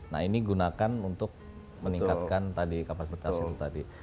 nah ini gunakan untuk meningkatkan tadi kapasitas itu tadi